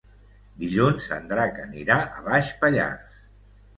Dilluns en Drac anirà a Baix Pallars.